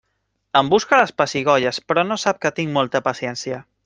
Em busca les pessigolles, però no sap que tinc molta paciència.